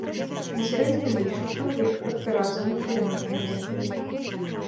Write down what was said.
На сярэдзіну выйшаў чалавек, падпяразаны кулямётнаю лентаю.